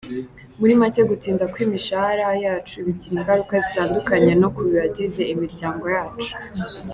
Muri make gutinda kw’imishahara yacu bigira ingaruka zitandukanye no ku bagize imiryango yacu.